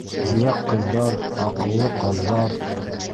ЗИРӘК ҠЫҘҘАР —АҠЫЛЛЫ ҠАҘҘАР